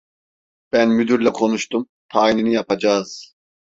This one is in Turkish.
Ben müdürle konuştum, tayinini yapacağız…